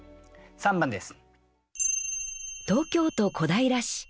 ３番です。